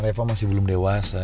reva masih belum dewasa